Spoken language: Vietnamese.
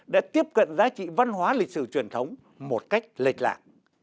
đã tiếp cận giá trị văn hóa lịch sử truyền thống một cách lệch lạc